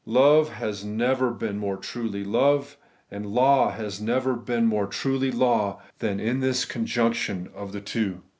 Love has never been more truly love, and law has never been more truly law, than in this conjunction of the two.